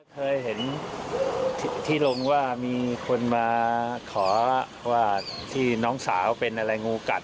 เคยเห็นที่ลงว่ามีคนมาขอว่าที่น้องสาวเป็นอะไรงูกัด